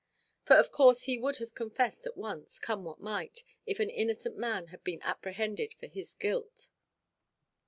For, of course, he would have confessed at once, come what might, if an innocent man had been apprehended for his guilt.